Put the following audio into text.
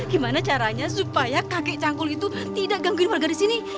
gimana caranya supaya kakek cangkul itu tidak gangguin warga di sini